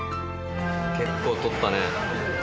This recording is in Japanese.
結構取ったね。